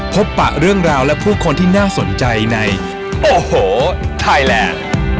ปะเรื่องราวและผู้คนที่น่าสนใจในโอ้โหไทยแลนด์